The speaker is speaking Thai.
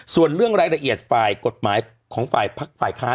ส่วนเรื่องรายละเอียดฝ่ายกฎหมายของฝ่ายพักฝ่ายค้าน